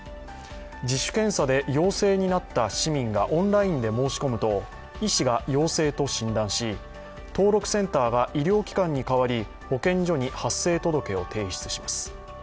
自主検査で陽性になった市民がオンラインで申し込むと医師が陽性と診断し登録センターが医療機関に代わり、保健所に発生届を提出します。